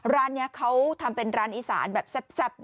ร้านนี้เขาทำเป็นร้านอีสานแบบแซ่บ